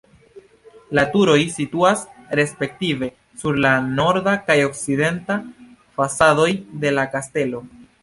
La turoj situas respektive sur la norda kaj okcidenta fasadoj de la kastelo.